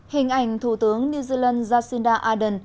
hình ảnh thủ tướng new zealand jacinda ardern